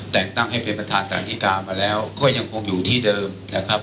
แต่งตั้งให้เป็นประธานสาธิกามาแล้วก็ยังคงอยู่ที่เดิมนะครับ